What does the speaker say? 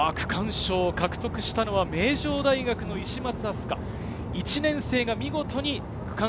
区間賞を獲得したのは名城大学の石松